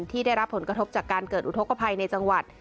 ได้รับผลกระทบจากการเกิดอุทธกภัยในจังหวัด